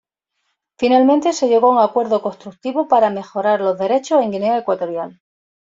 Finalmente se llegó a un acuerdo constructivo para mejorar los derechos en Guinea Ecuatorial.